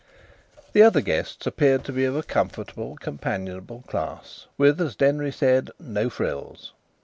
The other guests appeared to be of a comfortable, companionable class, with, as Denry said, "no frills."